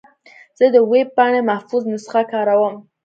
زه د ویب پاڼې محفوظ نسخه کاروم.